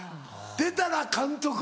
出たら監督